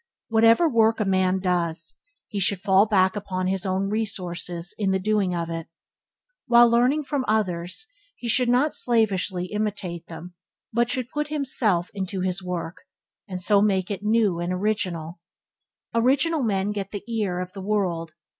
Whatever work a man does, he should fall back upon his own resources in the doing it. While learning from others, he should not slavishly imitate them, but should put himself into his work, and so make it new and original. Original men get the ear of the world.